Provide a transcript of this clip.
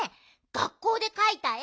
学校でかいたえ